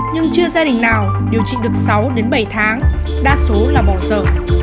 nhưng chưa gia đình nào điều trị được sáu đến bảy tháng đa số là bỏ sở